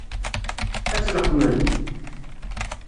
Ad tt-leqqmen?